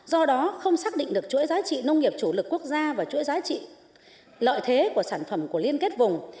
do đó không xác định được chuỗi giá trị nông nghiệp chủ lực quốc gia và chuỗi giá trị lợi thế của sản phẩm của liên kết vùng